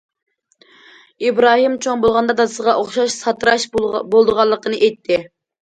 ئىبراھىم چوڭ بولغاندا دادىسىغا ئوخشاش ساتىراش بولىدىغانلىقىنى ئېيتتى.